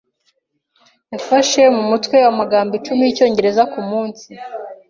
Yafashe mu mutwe amagambo icumi yicyongereza kumunsi.